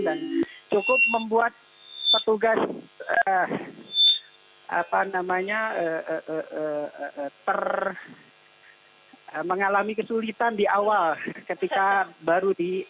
dan cukup membuat petugas mengalami kesulitan di awal ketika baru di